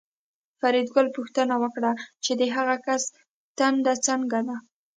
فریدګل پوښتنه وکړه چې د هغه کس ټنډه څنګه ده